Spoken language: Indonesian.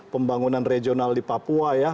pembangunan regional di papua ya